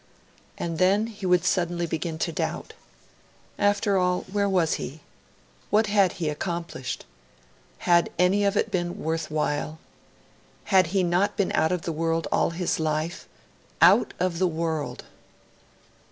And then he would suddenly begin to doubt. After all, where was he? What had he accomplished? Had any of it been worthwhile? Had he not been out of the world all his life! Out of the world!